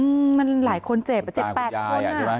อืมมันหลายคนเจ็บเจ็บแปดคนคุณตาคุณยายอ่ะใช่ไหม